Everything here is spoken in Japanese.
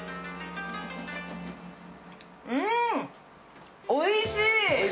うん、おいしい！